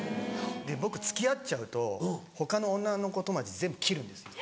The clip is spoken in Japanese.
僕付き合っちゃうと他の女の子友達全部切るんです。